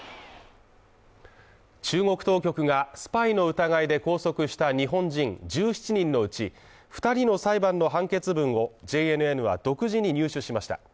中国当局がスパイの疑いで拘束した日本人１７人のうち２人の裁判の判決文を、ＪＮＮは独自に入手しました。